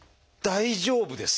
大丈夫です。